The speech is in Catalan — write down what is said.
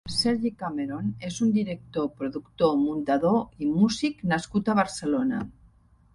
Sergi Cameron és un director, productor, muntador i músic nascut a Barcelona.